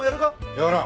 やらん。